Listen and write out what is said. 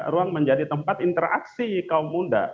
ruang menjadi tempat interaksi kaum muda